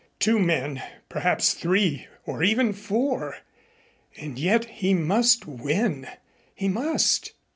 Two men, perhaps three or even four! And yet he must win. He must.